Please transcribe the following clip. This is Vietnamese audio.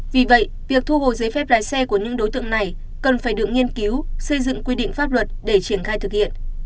vì vậy việc thu hồi giấy phép lái xe của những đối tượng này cần phải được nghiên cứu xây dựng quy định pháp luật để triển khai thực hiện